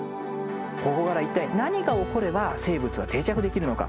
ここから一体何が起これば生物は定着できるのか。